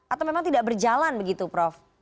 atau memang tidak berjalan begitu prof